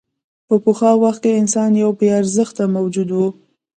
په پخوا وخت کې انسان یو بېارزښته موجود و.